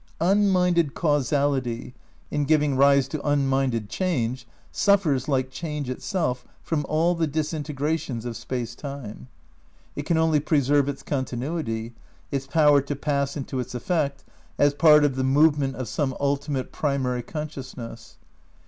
Unminded Causality, in giving rise to unminded change, suffers, like change itself, from aU the disin tegrations of Space Time. It can only preserve its continuity, its power to pass into its effect, as part of the movement of some ultimate primary consciousness.